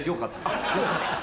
あっ「よかった」